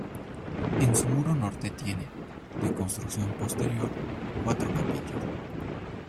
En su muro norte tiene, de construcción posterior, cuatro capillas.